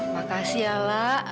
makasih ya lak